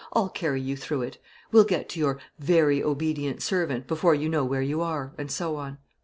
I'll carry you through it; we'll get to "your very obedient servant" before you know where you are,' and so on.